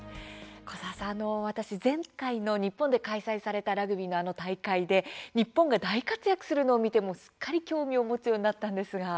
小澤さん、私、前回の日本で開催されたラグビーの大会で日本が大活躍するのを見てすっかり興味を持つようになったんですが。